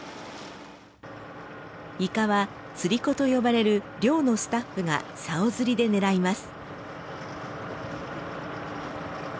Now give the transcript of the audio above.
イカは釣子と呼ばれる漁のスタッフが竿釣りで狙います。